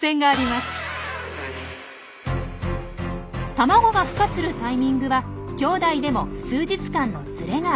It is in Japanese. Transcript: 卵がふ化するタイミングはきょうだいでも数日間のずれがあります。